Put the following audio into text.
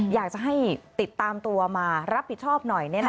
อยากจะให้ติดตามตัวมารับผิดชอบหน่อย